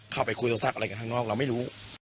เขาไปคุยตัวสักต่างออกแบบทางนอกเราไม่รู้